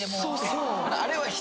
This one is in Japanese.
そうそう。